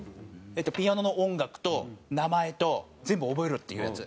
ピアノの音楽と名前と全部覚えろっていうやつ。